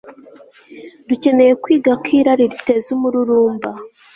Dukeneye kwiga ko irari riteza umururumba